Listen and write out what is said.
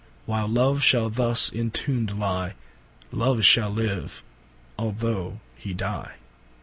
While Love shall thus entombed lye, Love shall live, although he dye.